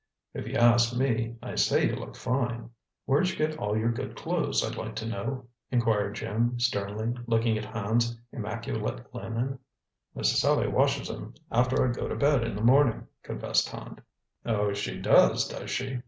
"If you ask me, I say you look fine." "Where'd you get all your good clothes, I'd like to know?" inquired Jim sternly, looking at Hand's immaculate linen. "Miss Sallie washes 'em after I go to bed in the morning," confessed Hand. "Oh, she does, does she!"